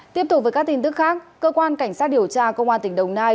tiếp tục với các tin tức khác cơ quan cảnh sát điều tra công an tỉnh đồng nai